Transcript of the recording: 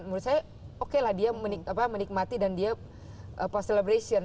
menurut saya oke lah dia menikmati dan dia post celebration